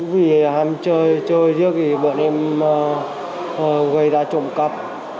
vì hàm chơi chơi giấc thì bọn em gây ra trộm cắp